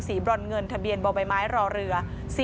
ศรีบรรเงินทะเบียนบไม้ไม้รเรือ